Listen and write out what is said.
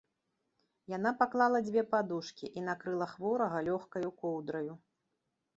Яна паклала дзве падушкі і накрыла хворага лёгкаю коўдраю.